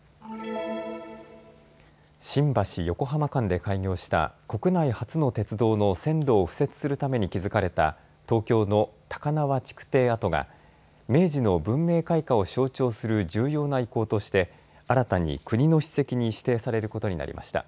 新橋・横浜間で開業した国内初の鉄道の線路を敷設するために築かれた東京の高輪築堤跡が明治の文明開化を象徴する重要な遺構として新たに国の史跡に指定されることになりました。